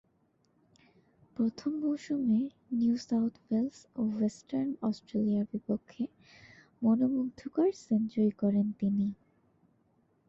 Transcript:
প্রথম মৌসুমে New South Wales ও ওয়েস্টার্ন অস্ট্রেলিয়ার বিপক্ষে মনোমুগ্ধকর সেঞ্চুরি করেন তিনি।